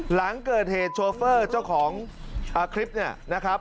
หลังเกิดเหตุโชเฟอร์เจ้าของคลิปเนี่ยนะครับ